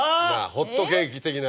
ホットケーキ的な。